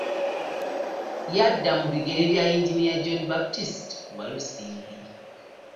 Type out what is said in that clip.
Yadda mu bigere bya Yinginiya John Baptist Walusimbi.